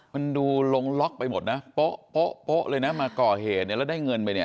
มันดูลงล็อกไปหมดนะโป๊ะเลยนะมาก่อเหตุเนี่ยแล้วได้เงินไปเนี่ย